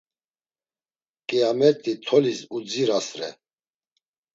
Ǩiyamet̆i tolis udzirasre.